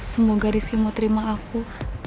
semoga rizky mau terima aku